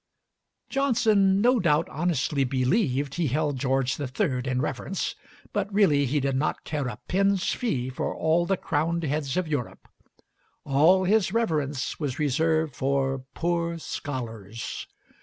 Johnson no doubt honestly believed he held George III. in reverence, but really he did not care a pin's fee for all the crowned heads of Europe. All his reverence was reserved for "poor scholars."